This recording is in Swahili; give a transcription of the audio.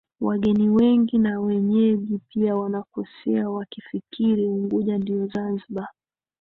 Wageni wengi na wenyeji pia wanakosea wakifikiri Unguja ndio Zanzibar